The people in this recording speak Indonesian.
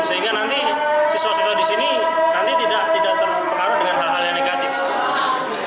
sehingga nanti siswa siswa di sini nanti tidak terpengaruh dengan hal hal yang negatif